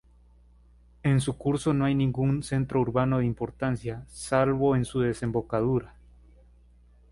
En su curso no hay ningún centro urbano de importancia, salvo en su desembocadura.